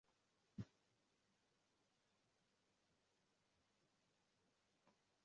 hilo laweza kusababisha matatizo kama vile kushuka moyo na